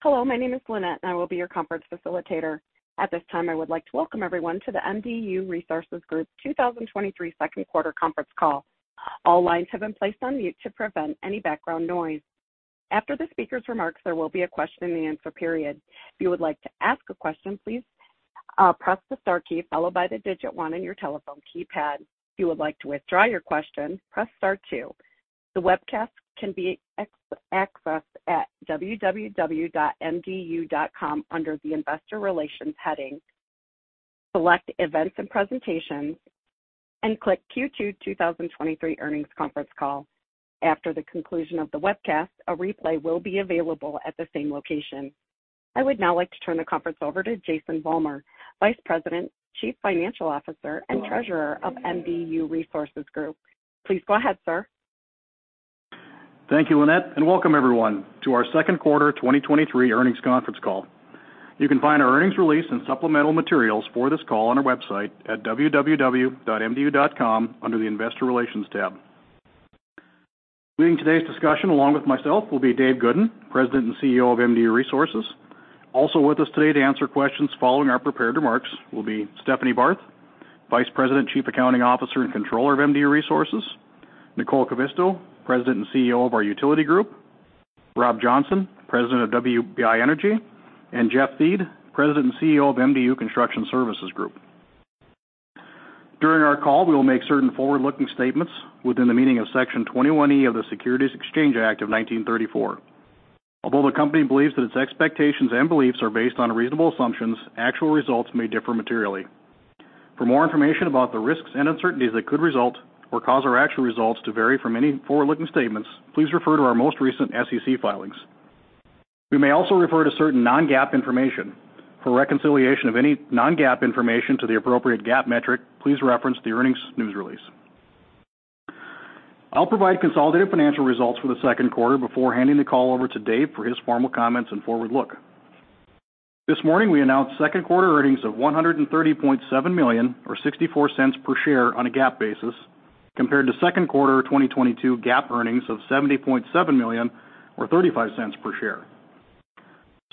Hello, my name is Lynette. I will be your conference facilitator. At this time, I would like to welcome everyone to the MDU Resources Group's 2023 second quarter conference call. All lines have been placed on mute to prevent any background noise. After the speaker's remarks, there will be a question and answer period. If you would like to ask a question, please press the star key, followed by one on your telephone keypad. If you would like to withdraw your question, press star two. The webcast can be accessed at www.mdu.com under the Investor Relations heading. Select events and presentations and click Q2 2023 earnings conference call. After the conclusion of the webcast, a replay will be available at the same location. I would now like to turn the conference over to Jason Vollmer, Vice President, Chief Financial Officer, and Treasurer of MDU Resources Group. Please go ahead, sir. Thank you, Lynette, welcome everyone to our second quarter 2023 earnings conference call. You can find our earnings release and supplemental materials for this call on our website at www.mdu.com under the Investor Relations tab. Leading today's discussion, along with myself, will be Dave Goodin, President and CEO of MDU Resources. Also with us today to answer questions following our prepared remarks will be Stephanie Barth, Vice President, Chief Accounting Officer, and Controller of MDU Resources; Nicole Kivisto, President and CEO of our Utility Group; Rob Johnson, President of WBI Energy; and Jeff Thiede, President and CEO of MDU Construction Services Group. During our call, we will make certain forward-looking statements within the meaning of Section 21E of the Securities Exchange Act of 1934. Although the company believes that its expectations and beliefs are based on reasonable assumptions, actual results may differ materially. For more information about the risks and uncertainties that could result or cause our actual results to vary from any forward-looking statements, please refer to our most recent SEC filings. We may also refer to certain Non-GAAP information. For reconciliation of any Non-GAAP information to the appropriate GAAP metric, please reference the earnings news release. I'll provide consolidated financial results for the second quarter before handing the call over to Dave for his formal comments and forward look. This morning, we announced second-quarter earnings of $130.7 million, or $0.64 per share on a GAAP basis, compared to second quarter 2022 GAAP earnings of $70.7 million, or $0.35 per share.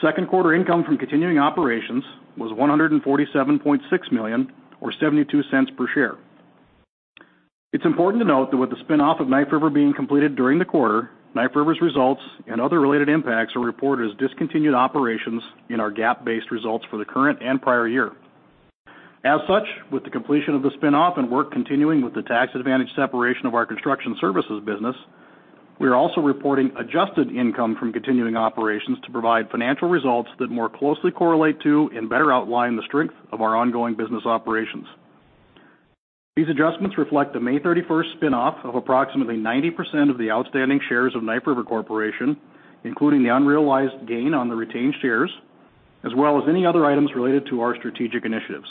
Second quarter income from continuing operations was $147.6 million, or $0.72 per share. It's important to note that with the spinoff of Knife River being completed during the quarter, Knife River's results and other related impacts are reported as discontinued operations in our GAAP-based results for the current and prior year. As such, with the completion of the spinoff and work continuing with the tax advantage separation of our construction services business, we are also reporting adjusted income from continuing operations to provide financial results that more closely correlate to and better outline the strength of our ongoing business operations. These adjustments reflect the May 31st spinoff of approximately 90% of the outstanding shares of Knife River Corporation, including the unrealized gain on the retained shares, as well as any other items related to our strategic initiatives.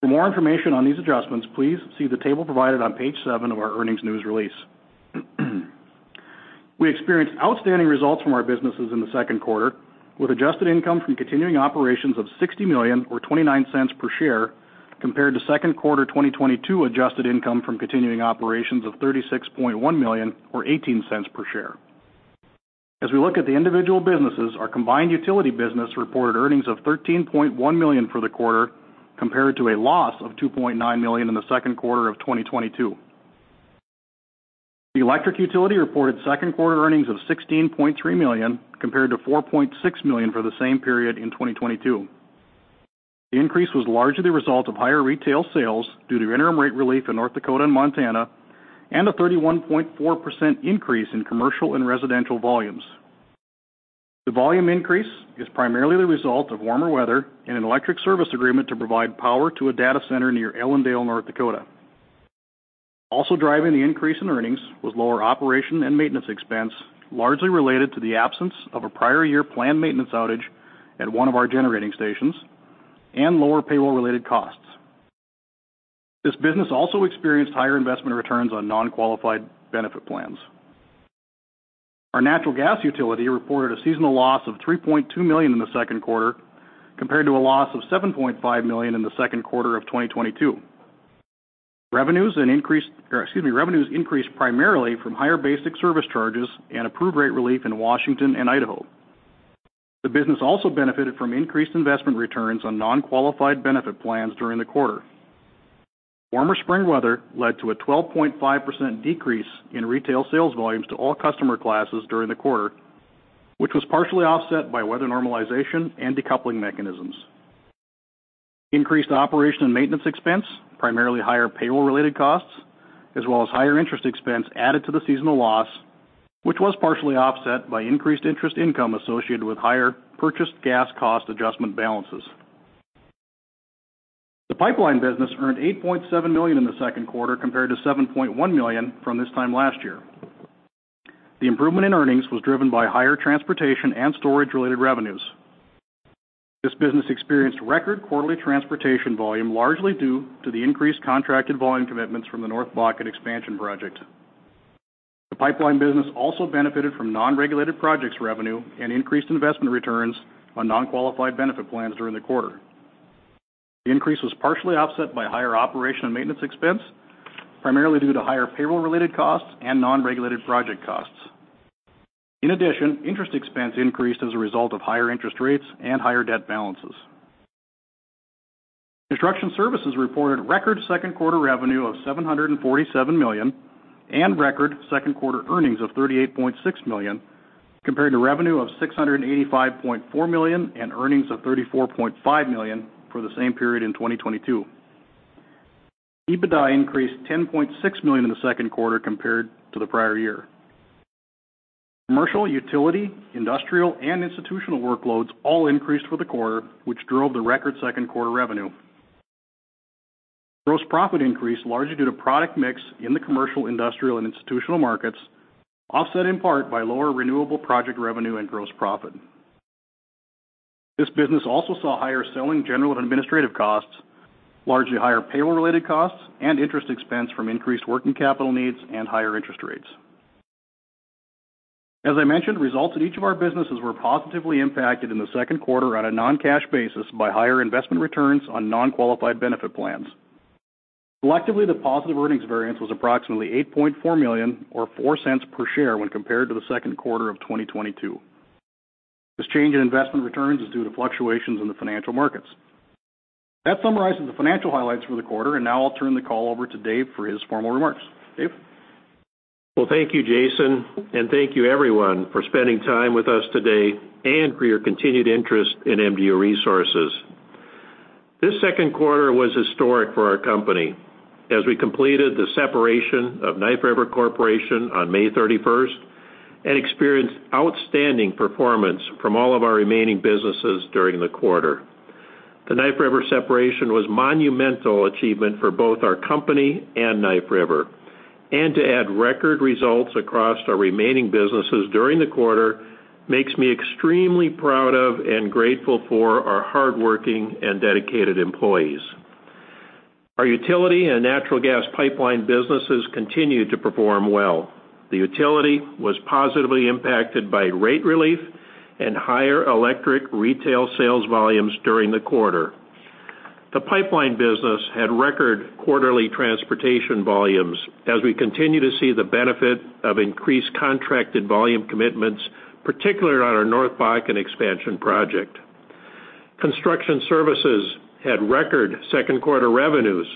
For more information on these adjustments, please see the table provided on page seven of our earnings news release. We experienced outstanding results from our businesses in the second quarter, with adjusted income from continuing operations of $60 million or $0.29 per share, compared to second quarter 2022 adjusted income from continuing operations of $36.1 million or $0.18 per share. As we look at the individual businesses, our combined utility business reported earnings of $13.1 million for the quarter, compared to a loss of $2.9 million in the second quarter of 2022. The electric utility reported second-quarter earnings of $16.3 million, compared to $4.6 million for the same period in 2022. The increase was largely the result of higher retail sales due to interim rate relief in North Dakota and Montana, and a 31.4% increase in commercial and residential volumes. The volume increase is primarily the result of warmer weather and an electric service agreement to provide power to a Data Center near Ellendale, North Dakota. Driving the increase in earnings was lower operation and maintenance expense, largely related to the absence of a prior-year planned maintenance outage at one of our generating stations and lower payroll-related costs. This business also experienced higher investment returns on Non-qualified benefit plans. Our Natural Gas utility reported a seasonal loss of $3.2 million in the second quarter, compared to a loss of $7.5 million in the second quarter of 2022. Revenues increased primarily from higher basic service charges and approved rate relief in Washington and Idaho. The business also benefited from increased investment returns on Non-qualified benefit plans during the quarter. Warmer spring weather led to a 12.5% decrease in retail sales volumes to all customer classes during the quarter, which was partially offset by weather normalization and decoupling mechanisms. Increased operation and maintenance expense, primarily higher payroll-related costs, as well as higher interest expense, added to the seasonal loss, which was partially offset by increased interest income associated with higher purchased Gas Cost Adjustment Balances. The pipeline business earned $8.7 million in the second quarter, compared to $7.1 million from this time last year. The improvement in earnings was driven by higher transportation and storage-related revenues. This business experienced record quarterly transportation volume, largely due to the increased contracted volume commitments from the North Bakken expansion project. The pipeline business also benefited from non-regulated projects revenue and increased investment returns on Non-qualified benefit plans during the quarter. The increase was partially offset by higher operation and maintenance expense, primarily due to higher payroll-related costs and non-regulated project costs. In addition, interest expense increased as a result of higher interest rates and higher debt balances. Construction services reported record second quarter revenue of $747 million and record second quarter earnings of $38.6 million, compared to revenue of $685.4 million and earnings of $34.5 million for the same period in 2022. EBITDA increased $10.6 million in the second quarter compared to the prior year. Commercial, utility, industrial, and institutional workloads all increased for the quarter, which drove the record second quarter revenue. Gross profit increased largely due to product mix in the Commercial, Industrial, and Institutional Markets, offset in part by lower renewable project revenue and gross profit. This business also saw higher selling, general, and administrative costs, largely higher payroll-related costs and interest expense from increased working capital needs and higher interest rates. As I mentioned, results in each of our businesses were positively impacted in the second quarter on a non-cash basis by higher investment returns on Non-qualified benefit plans. Collectively, the positive earnings variance was approximately $8.4 million or $0.04 per share when compared to the second quarter of 2022. This change in investment returns is due to fluctuations in the financial markets. That summarizes the financial highlights for the quarter, and now I'll turn the call over to Dave for his formal remarks. Dave? Well, thank you, Jason, and thank you everyone for spending time with us today and for your continued interest in MDU Resources. This second quarter was historic for our company as we completed the separation of Knife River Corporation on May 31st and experienced outstanding performance from all of our remaining businesses during the quarter. To add record results across our remaining businesses during the quarter makes me extremely proud of and grateful for our hardworking and dedicated employees. Our utility and Natural Gas Pipeline businesses continued to perform well. The utility was positively impacted by rate relief and higher electric retail sales volumes during the quarter. The pipeline business had record quarterly transportation volumes as we continue to see the benefit of increased contracted volume commitments, particularly on our North Bakken expansion project. Construction Services had record second quarter revenues,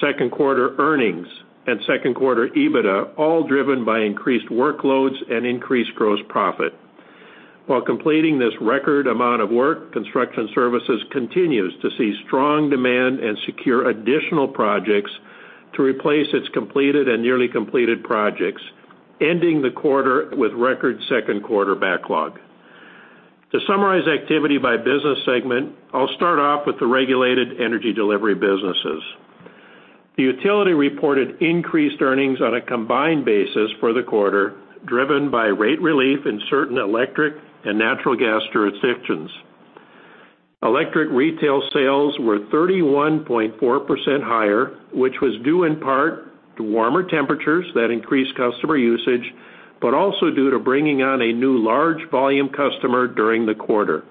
second quarter earnings, and second quarter EBITDA, all driven by increased workloads and increased gross profit. While completing this record amount of work, Construction Services continues to see strong demand and secure additional projects to replace its completed and nearly completed projects, ending the quarter with record second quarter backlog. To summarize activity by business segment, I'll start off with the regulated energy delivery businesses. The Utility reported increased earnings on a combined basis for the quarter, driven by rate relief in certain Electric and Natural Gas jurisdictions. Electric retail sales were 31.4 higher, which was due in part to warmer temperatures that increased customer usage, also due to bringing on a new large volume customer during the quarter.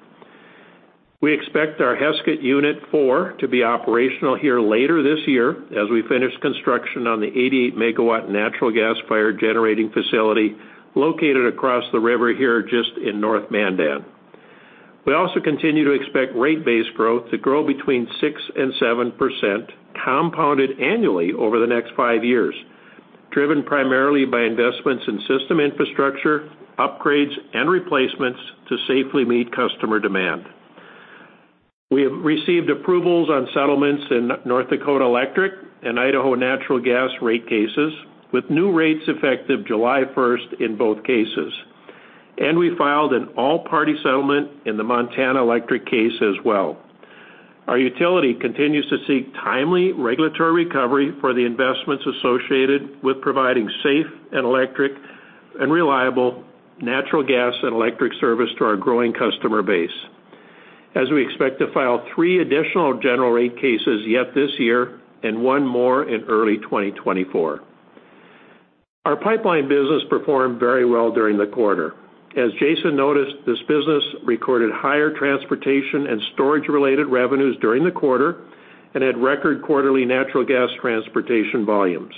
We expect our Heskett Unit 4 to be operational here later this year as we finish construction on the 88-megawatt Natural Gas fire generating facility located across the river here just in North Mandan. We continue to expect rate-based growth to grow between 6% and 7%, compounded annually over the next 5 years, driven primarily by Investments in System Infrastructure, upgrades, and replacements to safely meet customer demand. We have received approvals on settlements in North Dakota Electric and Idaho Natural Gas rate cases, with new rates effective July 1st in both cases. We filed an all-party settlement in the Montana Electric case as well. Our utility continues to seek timely regulatory recovery for the investments associated with providing safe and reliable Natural Gas and Electric Service to our growing customer base, as we expect to file three additional general rate cases yet this year and one more in early 2024. Our pipeline business performed very well during the quarter. As Jason noticed, this business recorded higher transportation and storage-related revenues during the quarter and had record quarterly Natural Gas transportation volumes.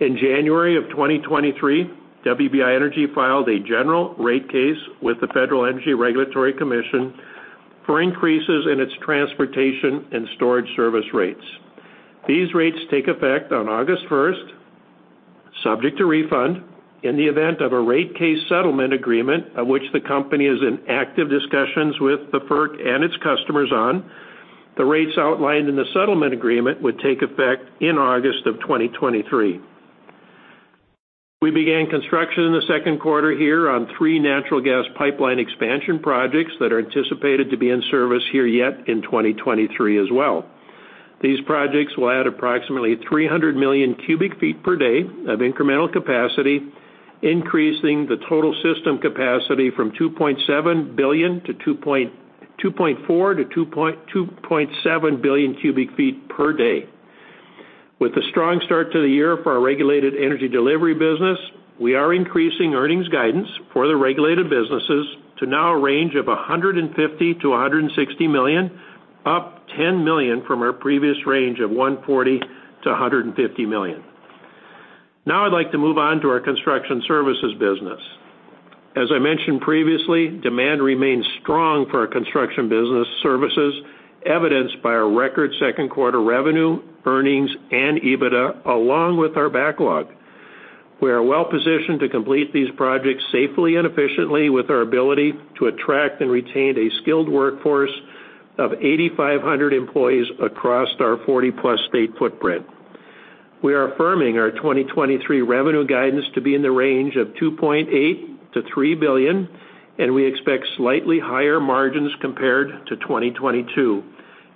In January of 2023, WBI Energy filed a general rate case with the Federal Energy Regulatory Commission for increases in its Transportation and Sorage Service rates. These rates take effect on August 1st, subject to refund in the event of a rate case settlement agreement, of which the company is in active discussions with the FERC and its customers on. The rates outlined in the settlement agreement would take effect in August of 2023. We began construction in the second quarter here on three Natural Gas pipeline expansion projects that are anticipated to be in service here yet in 2023 as well. These projects will add approximately 300 million cubic feet per day of incremental capacity, increasing the total system capacity from 2.4 billion to 2.7 billion cubic feet per day. With a strong start to the year for our regulated energy delivery business, we are increasing earnings guidance for the regulated businesses to now a range of $150 million-$160 million, up $10 million from our previous range of $140 million-$150 million. Now I'd like to move on to our construction services business. As I mentioned previously, demand remains strong for our construction business services, evidenced by our record second quarter revenue, earnings, and EBITDA, along with our backlog. We are well positioned to complete these projects safely and efficiently with our ability to attract and retain a skilled workforce of 8,500 employees across our 40+ state footprint. We are affirming our 2023 revenue guidance to be in the range of $2.8 billion-$3 billion, and we expect slightly higher margins compared to 2022,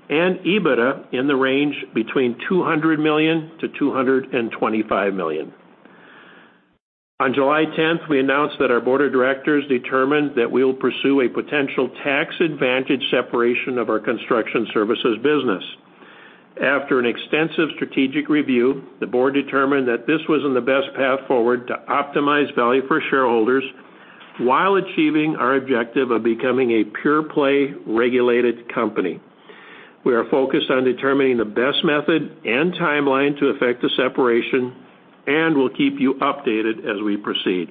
and EBITDA in the range between $200 million-$225 million. On July 10th, we announced that our board of directors determined that we will pursue a potential tax advantage separation of our Construction Services Business. After an extensive strategic review, the board determined that this was in the best path forward to optimize value for shareholders while achieving our objective of becoming a pure-play regulated company. We are focused on determining the best method and timeline to affect the separation, and we'll keep you updated as we proceed.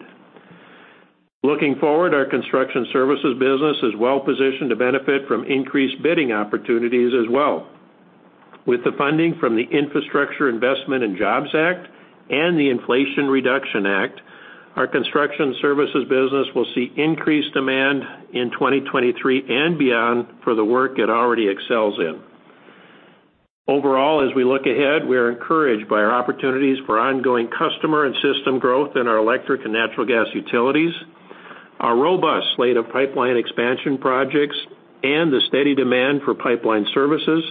Looking forward, our construction services business is well positioned to benefit from increased bidding opportunities as well. With the funding from the Infrastructure Investment and Jobs Act and the Inflation Reduction Act, our construction services business will see increased demand in 2023 and beyond for the work it already excels in. Overall, as we look ahead, we are encouraged by our opportunities for ongoing customer and system growth in our electric and Natural Gas utilities, our robust slate of pipeline expansion projects, and the steady demand for pipeline services,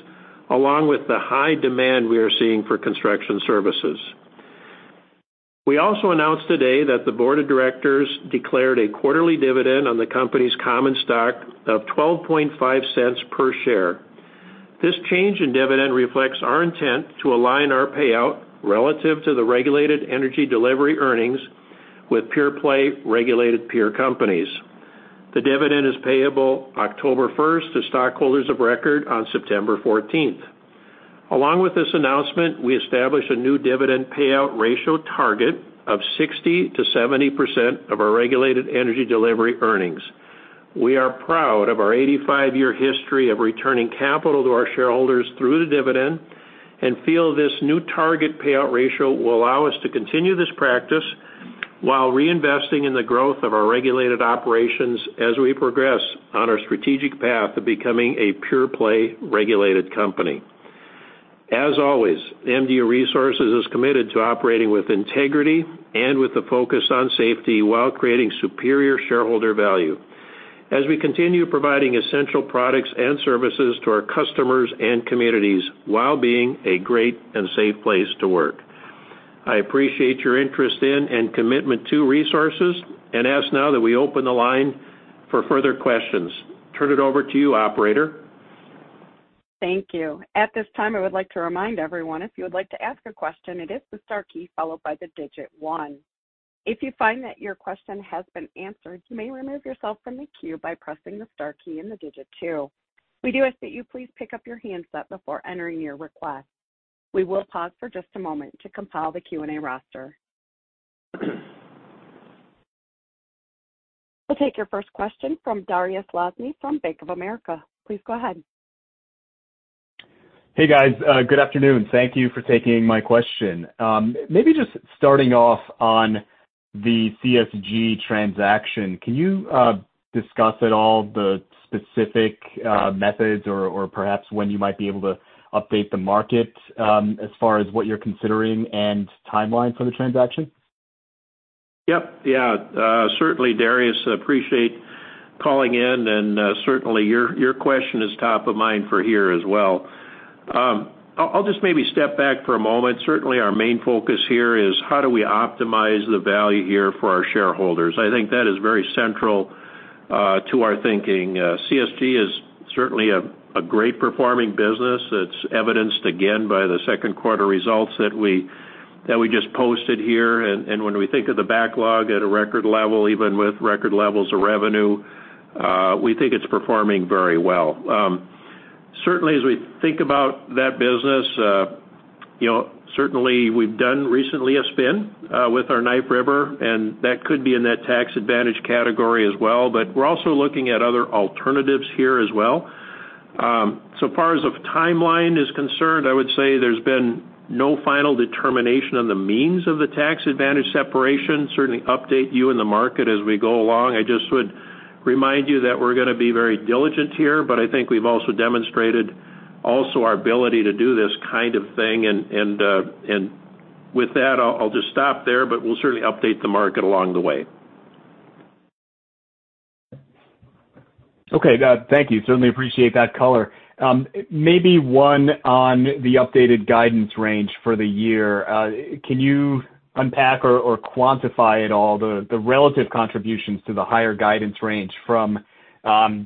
along with the high demand we are seeing for construction services. We also announced today that the board of directors declared a quarterly dividend on the company's common stock of $0.125 per share. This change in dividend reflects our intent to align our payout relative to the regulated energy delivery earnings with pure-play regulated peer companies. The dividend is payable October first to stockholders of record on September 14th. Along with this announcement, we established a new dividend payout ratio target of 60%-70% of our regulated energy delivery earnings. We are proud of our 85-year history of returning capital to our shareholders through the dividend and feel this new target payout ratio will allow us to continue this practice while reinvesting in the growth of our regulated operations as we progress on our strategic path to becoming a pure-play regulated company. As always, MDU Resources is committed to operating with integrity and with a focus on safety, while creating superior shareholder value as we continue providing essential products and services to our customers and communities while being a great and safe place to work. I appreciate your interest in and commitment to Resources, and ask now that we open the line for further questions. Turn it over to you, Operator. Thank you. At this time, I would like to remind everyone, if you would like to ask a question, it is the star key followed by one. If you find that your question has been answered, you may remove yourself from the queue by pressing the star key and two. We do ask that you please pick up your handset before entering your request. We will pause for just a moment to compile the Q&A roster. We'll take your first question from Dariusz Lozny from Bank of America. Please go ahead. Hey, guys. good afternoon. Thank you for taking my question. Maybe just starting off on the CSG transaction, can you discuss at all the specific methods or, or perhaps when you might be able to update the market as far as what you're considering and timeline for the transaction? Yep. Yeah, certainly, Dariusz, appreciate calling in, and certainly your question is top of mind for here as well. I'll just maybe step back for a moment. Certainly, our main focus here is how do we optimize the value here for our shareholders? I think that is very central to our thinking. CSG is certainly a great performing business. It's evidenced again by the second quarter results that we just posted here, and when we think of the backlog at a record level, even with record levels of revenue, we think it's performing very well. Certainly as we think about that business, you know, certainly we've done recently a spin with our Knife River, and that could be in that tax advantage category as well. We're also looking at other alternatives here as well. So far as a timeline is concerned, I would say there's been no final determination on the means of the tax advantage separation. Certainly update you in the market as we go along. I just would remind you that we're gonna be very diligent here, but I think we've also demonstrated also our ability to do this kind of thing. With that, I'll just stop there, but we'll certainly update the market along the way. Okay, thank you. Certainly appreciate that color. Maybe one on the updated guidance range for the year. Can you unpack or, or quantify at all the, the relative contributions to the higher guidance range from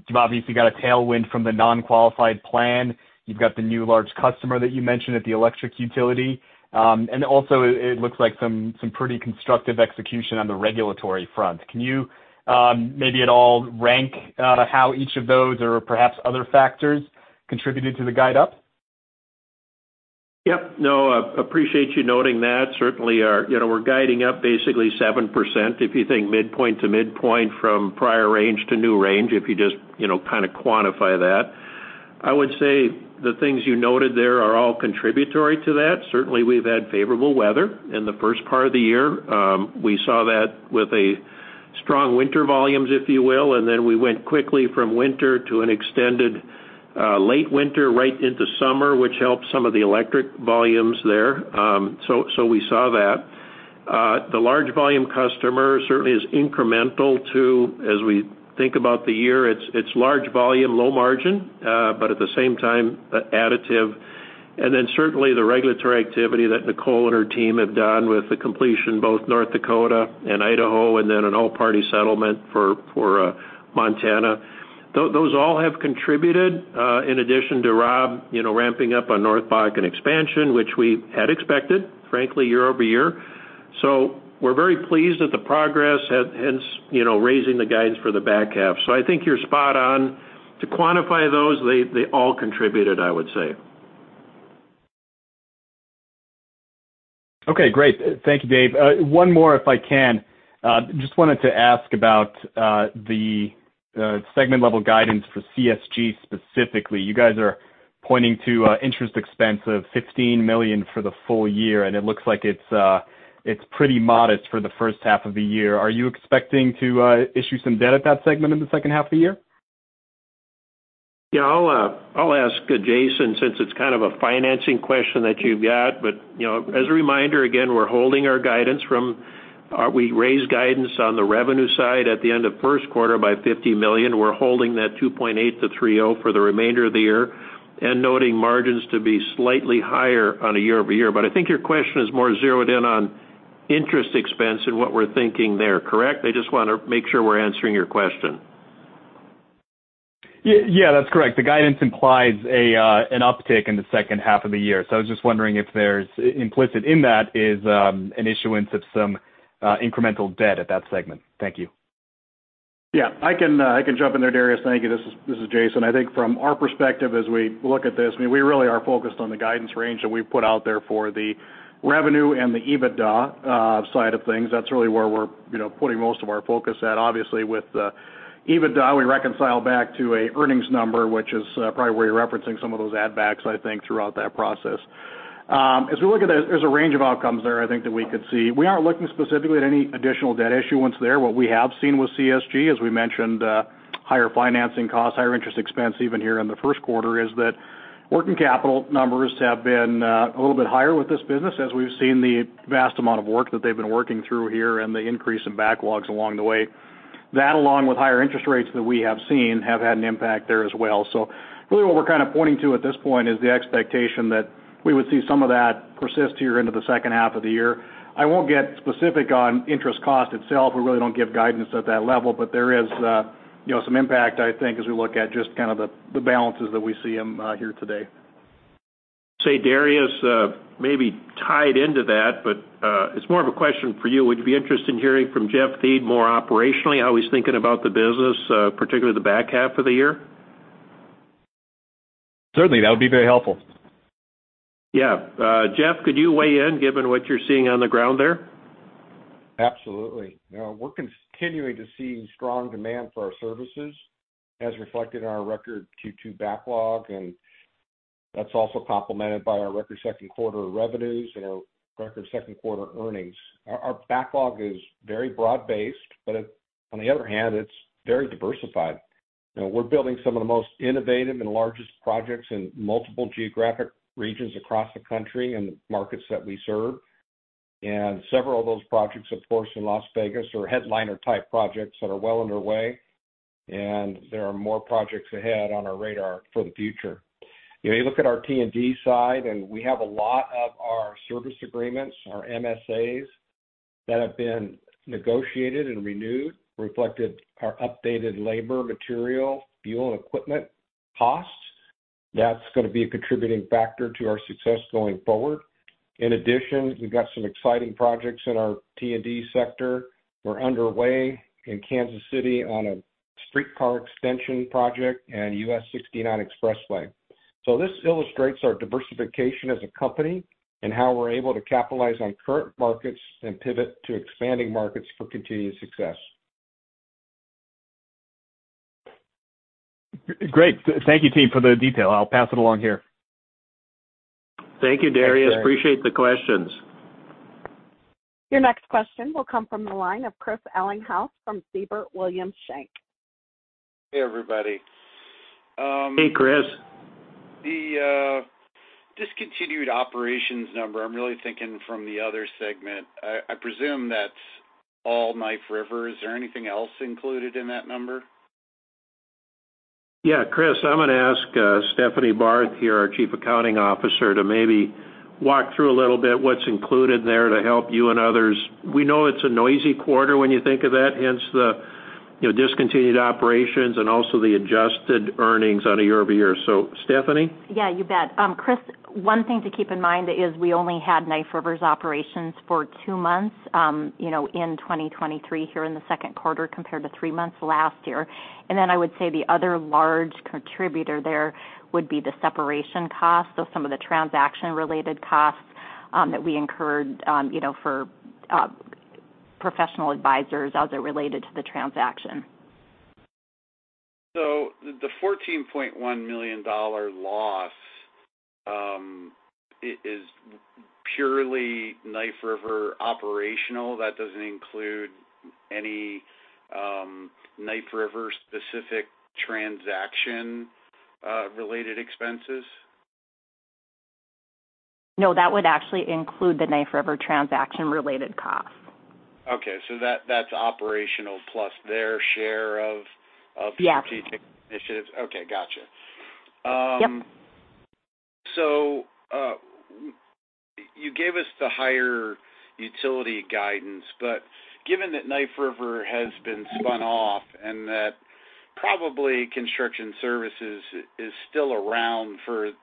you've obviously got a tailwind from the Non-qualified plan. You've got the new large customer that you mentioned at the electric utility. Also, it looks like some, some pretty constructive execution on the regulatory front. Can you maybe at all rank how each of those or perhaps other factors contributed to the guide up? Yep, no, appreciate you noting that. Certainly our, you know, we're guiding up basically 7%, if you think midpoint to midpoint from prior range to new range, if you just, you know, kind of quantify that. I would say the things you noted there are all contributory to that. Certainly, we've had favorable weather in the first part of the year. We saw that with a strong winter volumes, if you will, and then we went quickly from winter to an extended late winter right into summer, which helped some of the electric volumes there. So we saw that. The large volume customer certainly is incremental to, as we think about the year, it's, it's large volume, low margin, but at the same time, additive. Then certainly the regulatory activity that Nicole and her team have done with the completion, both North Dakota and Idaho, and then an all-party settlement for, for Montana. Those all have contributed, in addition to Rob, you know, ramping up on North Bakken expansion, which we had expected, frankly, year-over-year. We're very pleased with the progress, hence, you know, raising the guidance for the back half. I think you're spot on. To quantify those, they, they all contributed, I would say. Okay, great. Thank you, Dave. One more, if I can. Just wanted to ask about the segment-level guidance for CSG, specifically. You guys are pointing to interest expense of $15 million for the full year, and it looks like it's pretty modest for the first half of the year. Are you expecting to issue some debt at that segment in the second half of the year? Yeah, I'll ask Jason, since it's kind of a financing question that you've got. You know, as a reminder, again, we're holding our guidance. We raised guidance on the revenue side at the end of first quarter by $50 million. We're holding that $2.8 billion-$3.0 billion for the remainder of the year and noting margins to be slightly higher on a year-over-year. I think your question is more zeroed in on interest expense and what we're thinking there, correct? I just want to make sure we're answering your question. Yeah, yeah, that's correct. The guidance implies a an uptick in the second half of the year. I was just wondering if there's, implicit in that is, an issuance of some incremental debt at that segment. Thank you. Yeah, I can, I can jump in there, Dariusz. Thank you. This is, this is Jason. I think from our perspective, as we look at this, I mean, we really are focused on the guidance range that we put out there for the revenue and the EBITDA side of things. That's really where we're, you know, putting most of our focus at. Obviously, with the EBITDA, we reconcile back to a earnings number, which is probably where you're referencing some of those add backs, I think, throughout that process. As we look at that, there's a range of outcomes there I think that we could see. We aren't looking specifically at any additional debt issuance there. What we have seen with CSG, as we mentioned, higher financing costs, higher interest expense, even here in the first quarter, is that working capital numbers have been a little bit higher with this business, as we've seen the vast amount of work that they've been working through here and the increase in backlogs along the way. That, along with higher interest rates that we have seen, have had an impact there as well. Really what we're kind of pointing to at this point is the expectation that we would see some of that persist here into the second half of the year. I won't get specific on interest cost itself. We really don't give guidance at that level, but there is, you know, some impact, I think, as we look at just kind of the, the balances that we see, here today. Say, Dariusz, maybe tied into that, but it's more of a question for you. Would you be interested in hearing from Jeff Thiede more operationally, how he's thinking about the business, particularly the back half of the year? Certainly, that would be very helpful. Yeah. Jeff, could you weigh in, given what you're seeing on the ground there? Absolutely. You know, we're continuing to see strong demand for our services, as reflected in our record Q2 backlog, that's also complemented by our record second quarter revenues and our record second quarter earnings. Our backlog is very broad-based, on the other hand, it's very diversified. You know, we're building some of the most innovative and largest projects in multiple geographic regions across the country and the markets that we serve. Several of those projects, of course, in Las Vegas, are headliner-type projects that are well underway, and there are more projects ahead on our radar for the future. You know, you look at our T&D side, and we have a lot of our service agreements, our MSAs, that have been negotiated and renewed, reflected our updated labor, material, fuel, and equipment costs. That's going to be a contributing factor to our success going forward. In addition, we've got some exciting projects in our T&D sector. We're underway in Kansas City on a streetcar extension project and U.S. 69 Expressway. This illustrates our diversification as a company and how we're able to capitalize on current markets and pivot to expanding markets for continued success. Great. Thank you, team, for the detail. I'll pass it along here. Thank you, Dariusz. Appreciate the questions. Your next question will come from the line of Chris Ellinghaus from Siebert Williams Shank. Hey, everybody. Hey, Chris. The discontinued operations number, I'm really thinking from the other segment. I presume that's all Knife River. Is there anything else included in that number? Yeah, Chris, I'm going to ask Stephanie Barth here, our Chief Accounting Officer, to maybe walk through a little bit what's included there to help you and others. We know it's a noisy quarter when you think of that, hence the, you know, discontinued operations and also the adjusted earnings on a year-over-year. Stephanie? Yeah, you bet. Chris, one thing to keep in mind is we only had Knife River's operations for two months, you know, in 2023 here in the second quarter, compared to three months last year. Then I would say the other large contributor there would be the separation costs, so some of the transaction-related costs, that we incurred, you know, for professional advisors as it related to the transaction. The $14.1 million loss, is purely Knife River operational? That doesn't include any Knife River-specific transaction related expenses? No, that would actually include the Knife River transaction-related costs. Okay. That's operational plus their share of. Yeah of strategic initiatives. Okay, gotcha. Yep. You gave us the higher utility guidance, but given that Knife River has been spun off and that probably construction services is still around for it,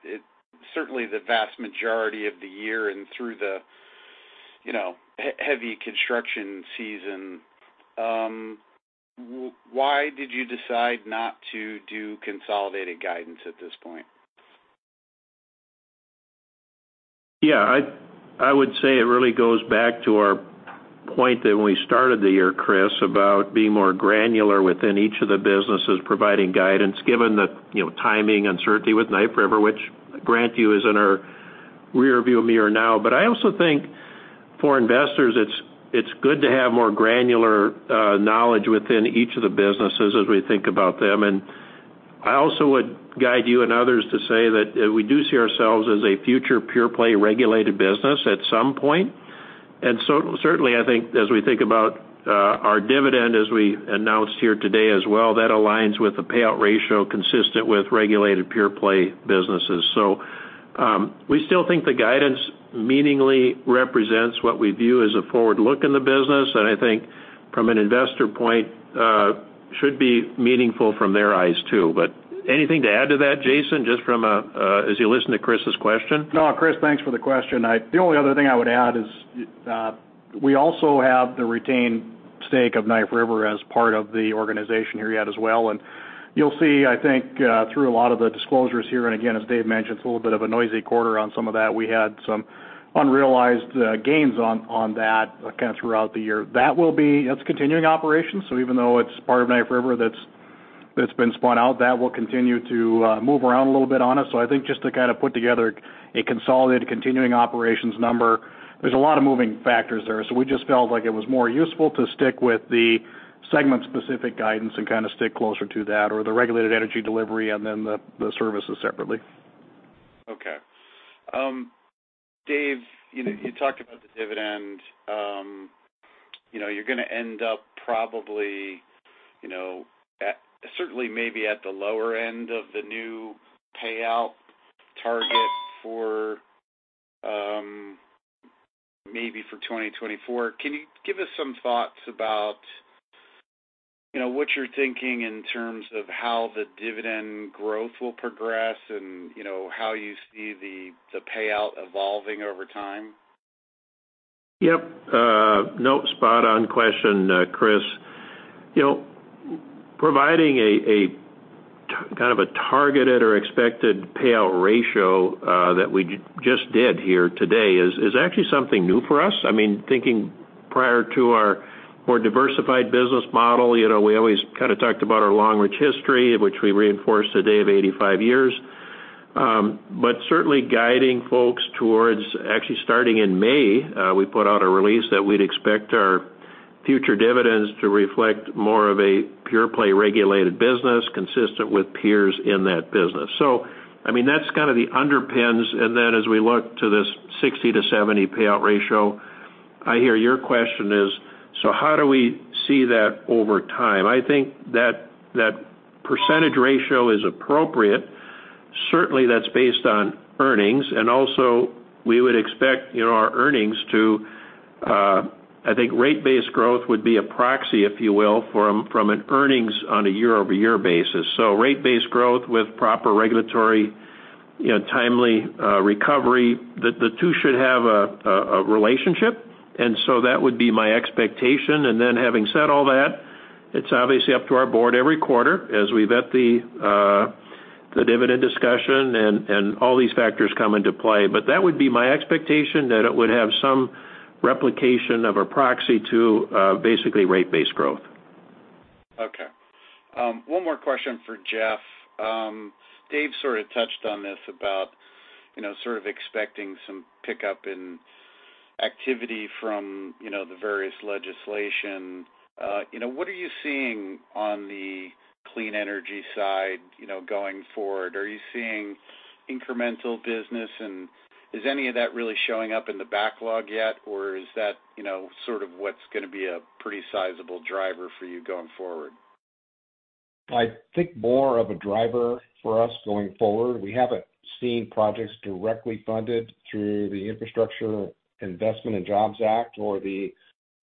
certainly the vast majority of the year and through the, you know, heavy construction season, why did you decide not to do consolidated guidance at this point? Yeah, I, I would say it really goes back to our point that when we started the year, Chris, about being more granular within each of the businesses providing guidance, given the, you know, timing, uncertainty with Knife River, which, grant you, is in our rearview mirror now. I also think for investors, it's, it's good to have more granular knowledge within each of the businesses as we think about them. I also would guide you and others to say that we do see ourselves as a future pure-play regulated business at some point. Certainly, I think as we think about our dividend as we announced here today as well, that aligns with the payout ratio consistent with regulated pure-play businesses. We still think the guidance meaningly represents what we view as a forward look in the business, and I think from an investor point, should be meaningful from their eyes, too. Anything to add to that, Jason, just from a, as you listen to Chris's question? No, Chris, thanks for the question. The only other thing I would add is, we also have the retained stake of Knife River as part of the organization here yet as well. You'll see, I think, through a lot of the disclosures here, and again, as Dave mentioned, it's a little bit of a noisy quarter on some of that. We had some unrealized gains on, on that kind of throughout the year. It's continuing operations, so even though it's part of Knife River that's, that's been spun out, that will continue to move around a little bit on us. I think just to kind of put together a consolidated continuing operations number, there's a lot of moving factors there. We just felt like it was more useful to stick with the segment-specific guidance and kind of stick closer to that, or the regulated energy delivery and then the, the services separately. Okay. Dave, you know, you talked about the dividend. You know, you're going to end up probably, you know, certainly maybe at the lower end of the new payout target for, maybe for 2024. Can you give us some thoughts about, you know, what you're thinking in terms of how the dividend growth will progress and, you know, how you see the, the payout evolving over time? Yep. No, spot on question, Chris. You know, providing a, a, kind of a targeted or expected payout ratio that we just did here today is, is actually something new for us. I mean, thinking prior to our more diversified business model, you know, we always kind of talked about our long, rich history, which we reinforced today of 85 years. But certainly guiding folks towards actually starting in May, we put out a release that we'd expect our future dividends to reflect more of a pure-play regulated business consistent with peers in that business. I mean, that's kind of the underpins, and then as we look to this 60%-70% payout ratio, I hear your question is: so how do we see that over time? I think that, that percentage ratio is appropriate. Certainly, that's based on earnings. Also, we would expect, you know, our earnings to I think rate-based growth would be a proxy, if you will, from an earnings on a year-over-year basis. Rate-based growth with proper regulatory, you know, timely recovery, the two should have a relationship, and so that would be my expectation. Then having said all that, it's obviously up to our board every quarter as we vet the dividend discussion and all these factors come into play. That would be my expectation, that it would have some replication of a proxy to basically rate-based growth. Okay. One more question for Jeff. Dave sort of touched on this, about, you know, sort of expecting some pickup in activity from, you know, the various legislation. You know, what are you seeing on the clean energy side, you know, going forward? Are you seeing incremental business, is any of that really showing up in the backlog yet, or is that, you know, sort of what's going to be a pretty sizable driver for you going forward? I think more of a driver for us going forward. We haven't seen projects directly funded through the Infrastructure Investment and Jobs Act or the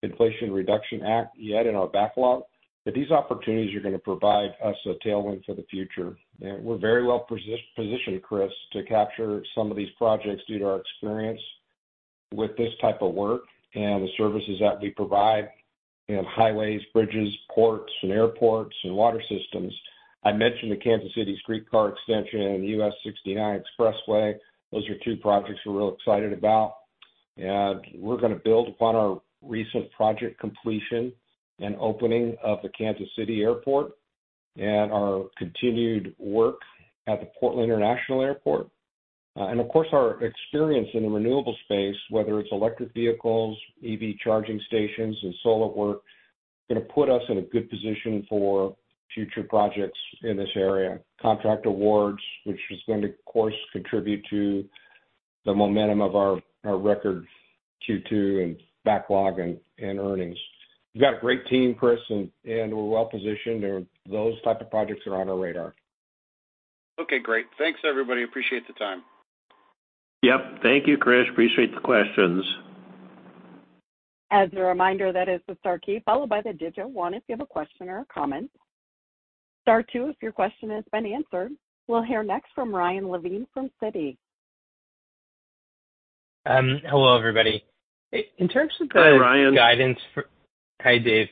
Inflation Reduction Act yet in our backlog, but these opportunities are going to provide us a tailwind for the future. We're very well positioned, Chris, to capture some of these projects due to our experience with this type of work and the services that we provide in highways, bridges, ports and airports, and water systems. I mentioned the Kansas City Streetcar extension and U.S. 69 Expressway. Those are two projects we're real excited about, we're going to build upon our recent project completion and opening of the Kansas City Airport and our continued work at the Portland International Airport. Of course, our experience in the renewable space, whether it's electric vehicles, EV charging stations, and solar work, is going to put us in a good position for future projects in this area. Contract awards, which is going to, of course, contribute to the momentum of our, our record Q2 and backlog and earnings. We've got a great team, Chris, and we're well positioned, and those type of projects are on our radar. Okay, great. Thanks, everybody. Appreciate the time. Yep. Thank you, Chris. Appreciate the questions. As a reminder, that is the star key, followed by the digit one if you have a question or a comment. star two if your question has been answered. We'll hear next from Ryan Levine from Citi. Hello, everybody. In terms of the- Hi, Ryan. Hi, Dave.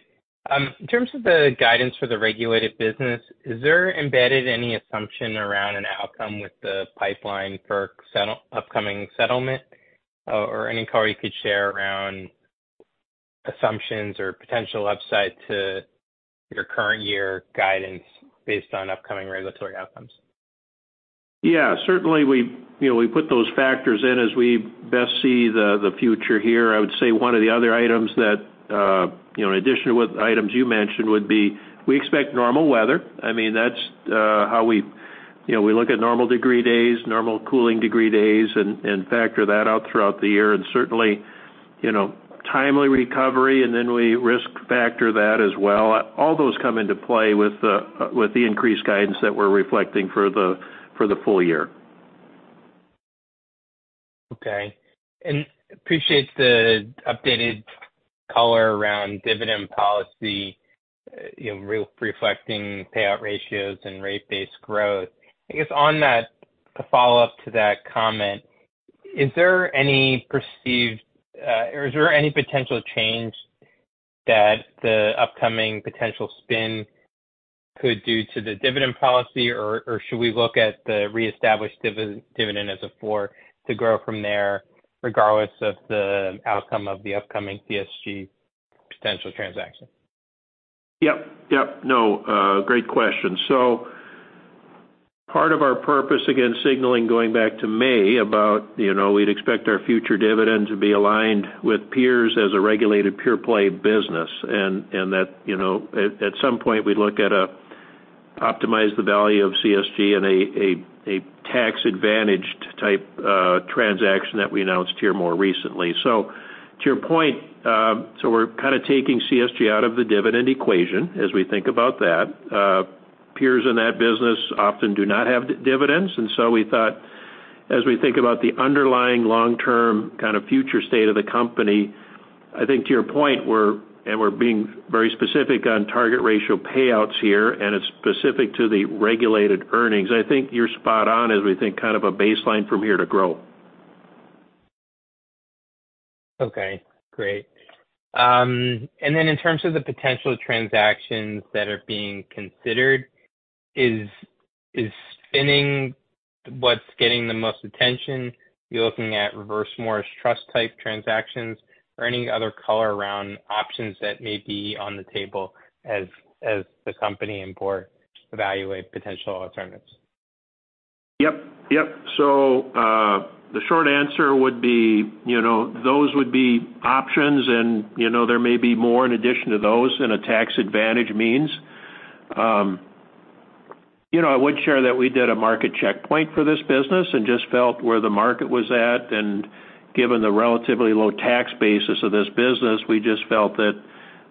In terms of the guidance for the regulated business, is there embedded any assumption around an outcome with the pipeline for upcoming settlement, or any color you could share around assumptions or potential upside to your current year guidance based on upcoming regulatory outcomes? Yeah, certainly, we, you know, we put those factors in as we best see the, the future here. I would say one of the other items that, you know, in addition with items you mentioned, would be we expect normal weather. I mean, that's how we, you know, we look at normal degree days, normal cooling degree days, and, and factor that out throughout the year, and certainly, you know, timely recovery, and then we risk factor that as well. All those come into play with the increased guidance that we're reflecting for the, for the full year. Okay. Appreciate the updated color around dividend policy, you know, re-reflecting payout ratios and rate-based growth. I guess on that, to follow up to that comment, is there any perceived, or is there any potential change that the upcoming potential spin could do to the dividend policy, or, or should we look at the reestablished dividend as a 4 to grow from there, regardless of the outcome of the upcoming CSG potential transaction? Yep, yep. No, great question. Part of our purpose, again, signaling going back to May about, you know, we'd expect our future dividend to be aligned with peers as a regulated pure play business, and, and that, you know, at, at some point, we'd look at a optimize the value of CSG in a, a, a tax-advantaged type transaction that we announced here more recently. To your point, so we're kind of taking CSG out of the dividend equation as we think about that. Peers in that business often do not have dividends, and so we thought, as we think about the underlying long-term kind of future state of the company, I think to your point, we're and we're being very specific on target ratio payouts here, and it's specific to the regulated earnings. I think you're spot on as we think kind of a baseline from here to grow. Okay, great. Then in terms of the potential transactions that are being considered, is spinning what's getting the most attention? You're looking at Reverse Morris Trust type transactions or any other color around options that may be on the table as the company and board evaluate potential alternatives? Yep, yep. The short answer would be, you know, those would be options, and you know, there may be more in addition to those in a tax-advantaged means. You know, I would share that we did a market checkpoint for this business and just felt where the market was at, and given the relatively low tax basis of this business, we just felt that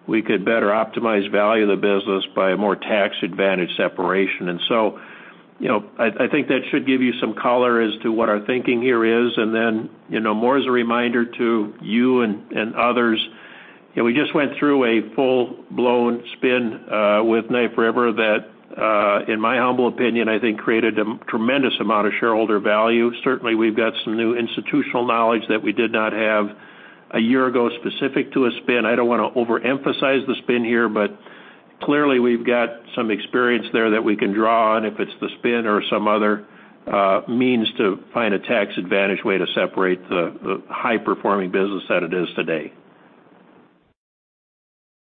we could better optimize value of the business by a more tax-advantaged separation. You know, I, I think that should give you some color as to what our thinking here is. You know, more as a reminder to you and, and others, you know, we just went through a full-blown spin with Knife River that, in my humble opinion, I think created a tremendous amount of shareholder value. Certainly, we've got some new institutional knowledge that we did not have a year ago, specific to a spin. I don't want to overemphasize the spin here, but clearly, we've got some experience there that we can draw on if it's the spin or some other, means to find a tax-advantaged way to separate the, the high-performing business that it is today.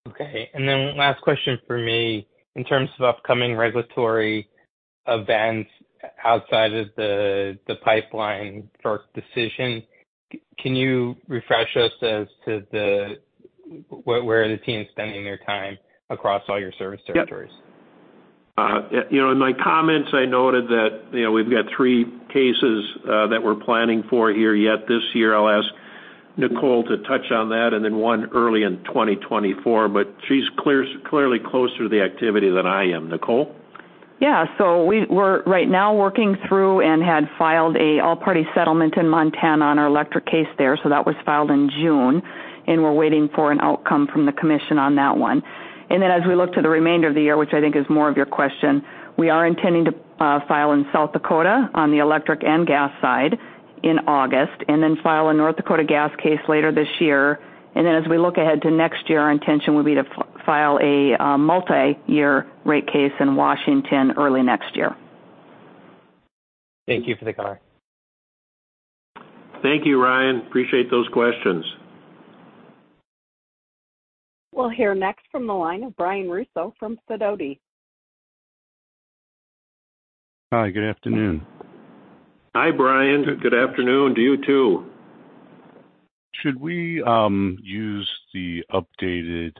Okay, and then last question for me. In terms of upcoming regulatory events outside of the pipeline for decision, can you refresh us as to where are the teams spending their time across all your service territories? Yep. you know, in my comments, I noted that, you know, we've got three cases, that we're planning for here, yet this year. I'll ask Nicole to touch on that, and then one early in 2024, but she's clear- clearly closer to the activity than I am. Nicole? Yeah. We're right now working through and had filed a all-party settlement in Montana on our electric case there. That was filed in June, and we're waiting for an outcome from the commission on that one. As we look to the remainder of the year, which I think is more of your question, we are intending to file in South Dakota on the electric and gas side in August, and then file a North Dakota gas case later this year. As we look ahead to next year, our intention will be to file a multiyear rate case in Washington early next year. Thank you for the comment. Thank you, Ryan. Appreciate those questions. We'll hear next from the line of Brian Russo from Sidoti. Hi, good afternoon. Hi, Brian. Good afternoon to you, too. Should we use the updated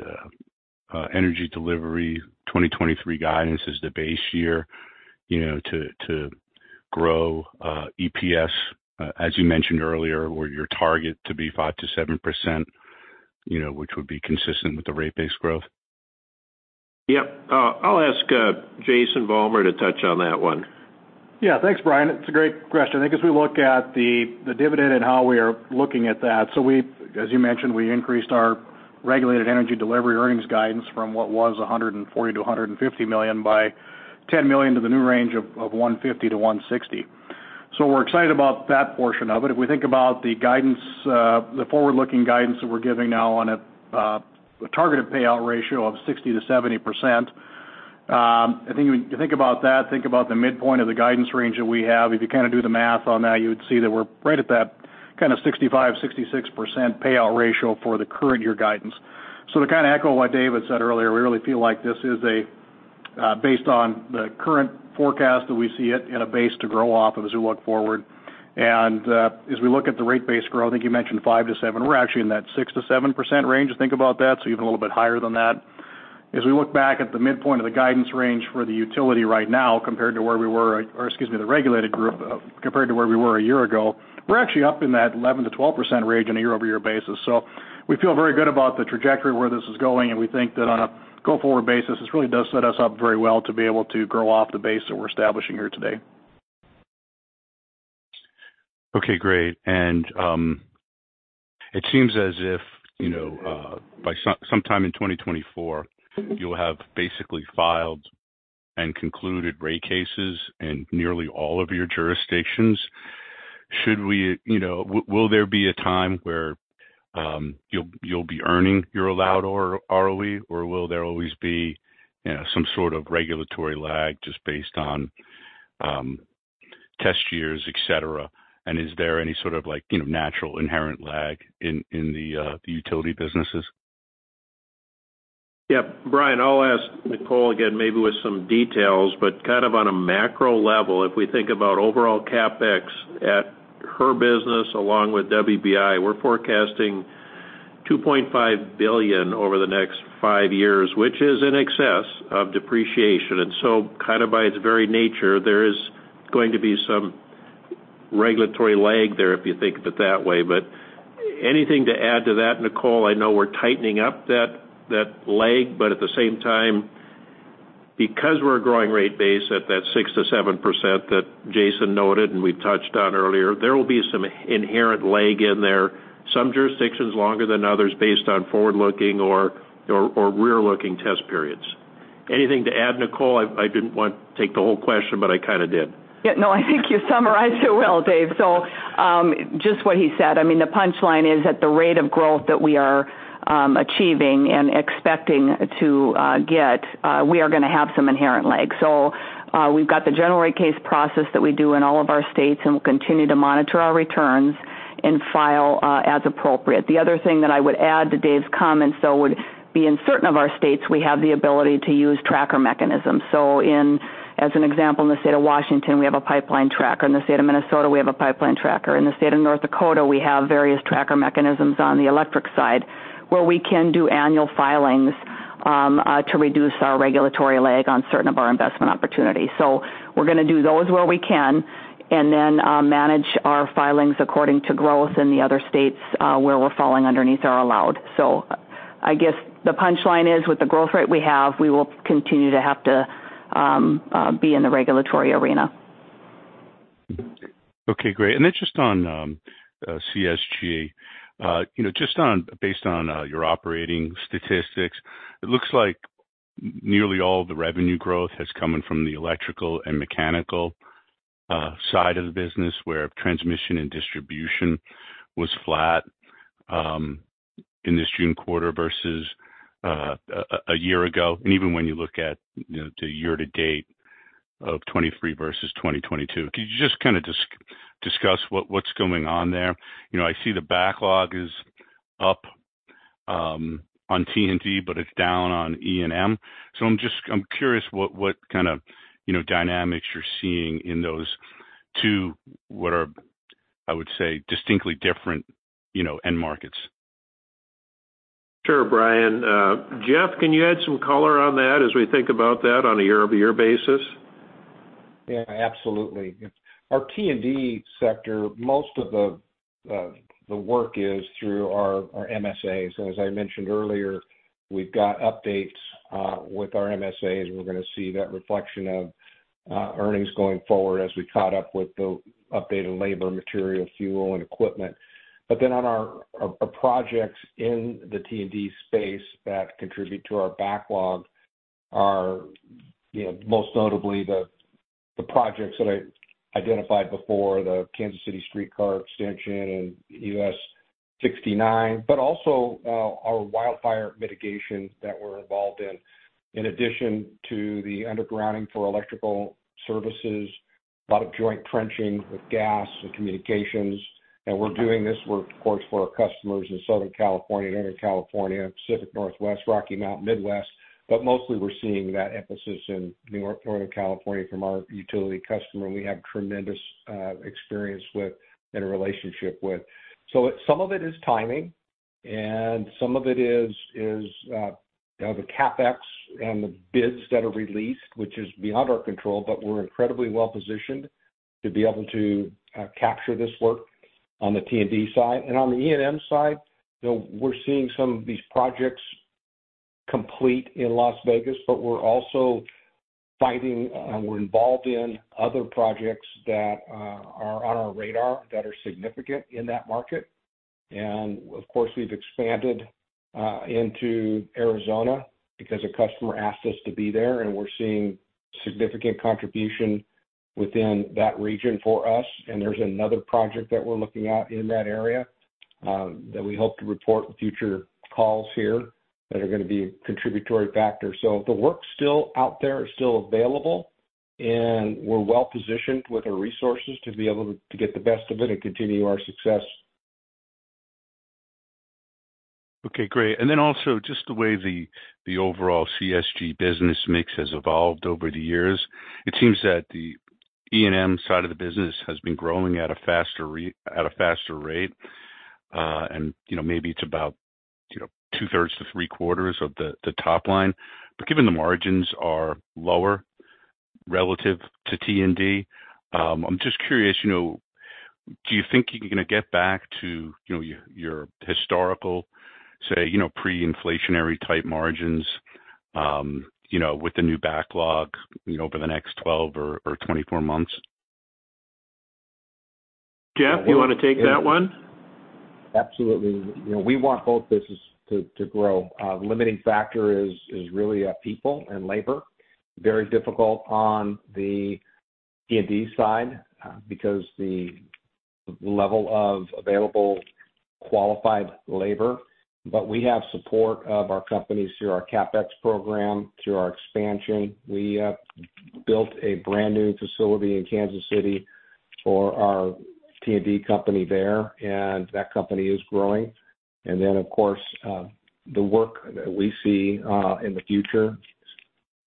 energy delivery 2023 guidance as the base year, you know, to, to grow EPS as you mentioned earlier, where your target to be 5%-7%, you know, which would be consistent with the rate-based growth? Yep. I'll ask Jason Vollmer to touch on that one. Thanks, Brian. It's a great question. I think as we look at the, the dividend and how we are looking at that, as you mentioned, we increased our regulated energy delivery earnings guidance from what was $140 million to $150 million by $10 million to the new range of $150 million-$160 million. We're excited about that portion of it. If we think about the guidance, the forward-looking guidance that we're giving now on a targeted payout ratio of 60%-70%, I think when you think about that, think about the midpoint of the guidance range that we have. If you kind of do the math on that, you would see that we're right at that kind of 65%-66% payout ratio for the current year guidance. To kind of echo what Dave said earlier, we really feel like this is a, based on the current forecast that we see it and a base to grow off of as we look forward. As we look at the rate base growth, I think you mentioned 5% to 7%. We're actually in that 6%-7% range, to think about that, so even a little bit higher than that. As we look back at the midpoint of the guidance range for the utility right now, compared to where we were, or excuse me, the regulated group, compared to where we were a year ago, we're actually up in that 11%-12% range on a year-over-year basis. We feel very good about the trajectory of where this is going, and we think that on a go-forward basis, this really does set us up very well to be able to grow off the base that we're establishing here today. Okay, great. It seems as if, you know, by sometime in 2024, you'll have basically filed and concluded rate cases in nearly all of your jurisdictions. You know, will there be a time where, you'll, you'll be earning your allowed ROE, or will there always be, you know, some sort of regulatory lag just based on, test years, et cetera? Is there any sort of, like, you know, natural, inherent lag in, in the, the utility businesses? Yeah, Brian, I'll ask Nicole again, maybe with some details, but kind of on a macro level, if we think about overall CapEx at her business, along with WBI, we're forecasting $2.5 billion over the next five years, which is in excess of depreciation. So kind of by its very nature, there is going to be some regulatory lag there, if you think of it that way. Anything to add to that, Nicole? I know we're tightening up that, that lag, but at the same time, because we're a growing rate base at that 6%-7% that Jason noted and we touched on earlier, there will be some inherent lag in there, some jurisdictions longer than others based on forward-looking or, or, or rear-looking test periods. Anything to add, Nicole? I, I didn't want to take the whole question, but I kind of did. Yeah, no, I think you summarized it well, Dave. Just what he said, I mean, the punchline is, at the rate of growth that we are achieving and expecting to get, we are going to have some inherent lag. We've got the general rate case process that we do in all of our states, and we'll continue to monitor our returns and file as appropriate. The other thing that I would add to Dave's comments, though, would be in certain of our states, we have the ability to use tracker mechanisms. As an example, in the state of Washington, we have a pipeline tracker. In the state of Minnesota, we have a pipeline tracker. In the state of North Dakota, we have various tracker mechanisms on the electric side, where we can do annual filings to reduce our regulatory lag on certain of our investment opportunities. We're going to do those where we can and then manage our filings according to growth in the other states where we're falling underneath are allowed. I guess the punchline is, with the growth rate we have, we will continue to have to be in the regulatory arena. Okay, great. Then just on CSG, you know, just based on your operating statistics, it looks like nearly all the revenue growth has come in from the electrical and mechanical side of the business, where transmission and distribution was flat in this June quarter versus a year ago. Even when you look at, you know, the year to date of 2023 vs. 2022, could you just kind of discuss what's going on there? You know, I see the backlog is up on T&D, but it's down on E&M. I'm just, I'm curious what kind of, you know, dynamics you're seeing in those two, what are, I would say, distinctly different, you know, end markets. Sure, Brian. Jeff, can you add some color on that as we think about that on a year-over-year basis? Yeah, absolutely. Our T&D sector, most of the, the work is through our, our MSAs. As I mentioned earlier, we've got updates with our MSAs, and we're going to see that reflection of earnings going forward as we caught up with the updated labor, material, fuel, and equipment. Then on our, our projects in the T&D space that contribute to our backlog are, you know, most notably the, the projects that I identified before, the Kansas City Streetcar extension and U.S. 69, but also our wildfire mitigations that we're involved in. In addition to the undergrounding for electrical services, a lot of joint trenching with gas and communications, and we're doing this work, of course, for our customers in Southern California, Northern California, Pacific Northwest, Rocky Mountain, Midwest. Mostly we're seeing that emphasis in Northern California from our utility customer, we have tremendous experience with and a relationship with. Some of it is timing, and some of it is the CapEx and the bids that are released, which is beyond our control, but we're incredibly well-positioned to be able to capture this work on the T&D side. On the E&M side, you know, we're seeing some of these projects complete in Las Vegas, but we're also fighting, we're involved in other projects that are on our radar that are significant in that market. Of course, we've expanded into Arizona because a customer asked us to be there, and we're seeing significant contribution within that region for us. There's another project that we're looking at in that area that we hope to report future calls here that are going to be a contributory factor. The work still out there is still available, and we're well-positioned with our resources to be able to get the best of it and continue our success. Okay, great. Then also, just the way the, the overall CSG business mix has evolved over the years, it seems that the E&M side of the business has been growing at a faster rate. You know, maybe it's about, you know, two-thirds to three-quarters of the, the top line. Given the margins are lower relative to T&D, I'm just curious, you know, do you think you're going to get back to, you know, your, your historical, say, you know, pre-inflationary type margins, you know, with the new backlog, you know, over the next 12 or 24 months? Jeff, you want to take that one? Absolutely. You know, we want both businesses to, to grow. The limiting factor is, is really people and labor. Very difficult on the T&D side, because the level of available qualified labor, but we have support of our companies through our CapEx program, through our expansion. We built a brand-new facility in Kansas City for our T&D company there, and that company is growing. Then, of course, the work that we see in the future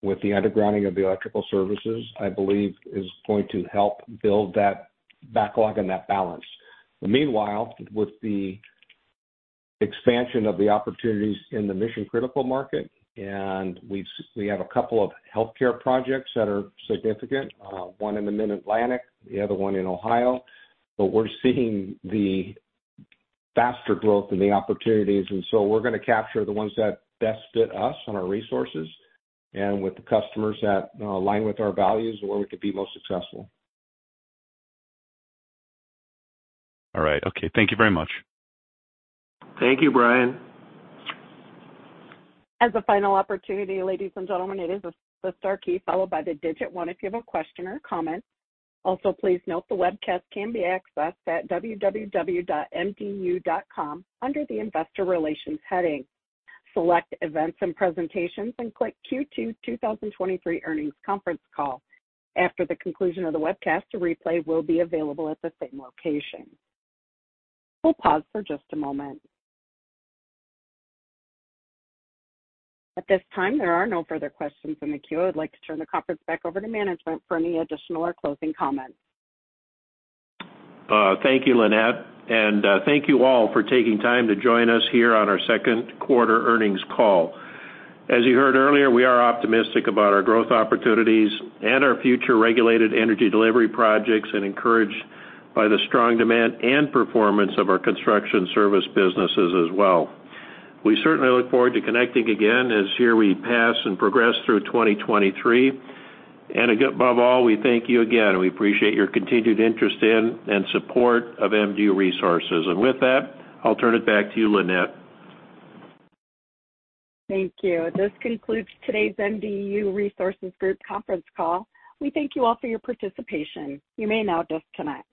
with the undergrounding of the electrical services, I believe is going to help build that backlog and that balance. Meanwhile, with the expansion of the opportunities in the mission-critical market, and we've we have a couple of healthcare projects that are significant, one in the Mid-Atlantic, the other one in Ohio, but we're seeing the faster growth and the opportunities, and so we're going to capture the ones that best fit us and our resources, and with the customers that, align with our values and where we could be most successful. All right. Okay, thank you very much. Thank you, Brian. As a final opportunity, ladies and gentlemen, it is the star key, followed by the one if you have a question or comment. Also, please note the webcast can be accessed at www.mdu.com under the Investor Relations heading. Select Events and Presentations, Click Q2 2023 earnings conference call. After the conclusion of the webcast, a replay will be available at the same location. We'll pause for just a moment. At this time, there are no further questions in the queue. I'd like to turn the conference back over to management for any additional or closing comments. Thank you, Lynette, and thank you all for taking time to join us here on our second quarter earnings call. As you heard earlier, we are optimistic about our growth opportunities and our future regulated energy delivery projects, and encouraged by the strong demand and performance of our construction service businesses as well. We certainly look forward to connecting again as here we pass and progress through 2023. Above all, we thank you again, and we appreciate your continued interest in and support of MDU Resources. With that, I'll turn it back to you, Lynette. Thank you. This concludes today's MDU Resources Group conference call. We thank you all for your participation. You may now disconnect.